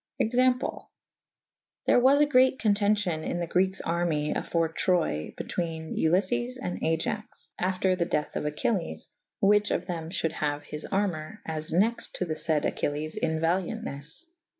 Example. There was a great contencion in the Grekes army afore Troye betwcne Uliffes and Aiax / after the dethe of Achelles / whiche of them fhulde haue his armour as nexte to the fayd Achilles in valiauntnes.